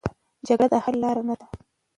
جګړه د حل لاره نه ده.